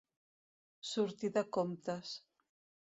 Sortir de comptes.